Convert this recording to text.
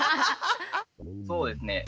そうですね。